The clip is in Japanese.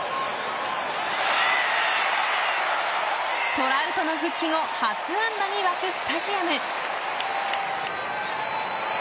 トラウトの復帰後初安打に沸くスタジアム。